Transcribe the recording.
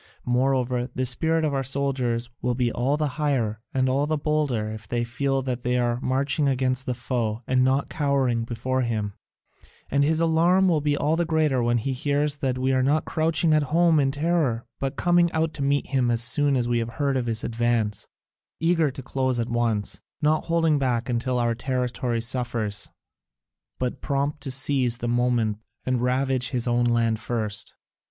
Moreover, the spirit of our soldiers will be all the higher and all the bolder if they feel that they are marching against the foe and not cowering before him; and his alarm will be all the greater when he hears that we are not crouching at home in terror but coming out to meet him as soon as we have heard of his advance, eager to close at once, not holding back until our territory suffers, but prompt to seize the moment and ravage his own land first.